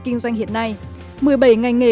kinh doanh hiện nay một mươi bảy ngành nghề